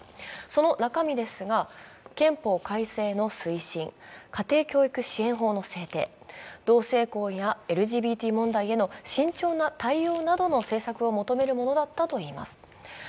その中身ですが、憲法改正の推進、家庭教育支援法の制定、同性婚やＬＧＢＴ問題への慎重な対応などを求めるものだったといいます。